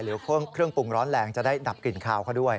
เครื่องปรุงร้อนแรงจะได้ดับกลิ่นคาวเขาด้วย